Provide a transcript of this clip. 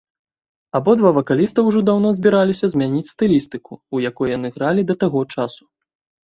Абодва вакаліста ўжо даўно збіраліся змяніць стылістыку, у якой яны гралі да таго часу.